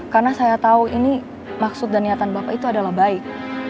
karena saya tahu ini maksud dan niatan bapak itu adalah baik